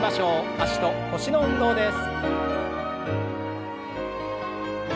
脚と腰の運動です。